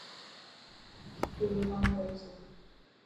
اسڪول رو ڪم ڪري ڇڏيو.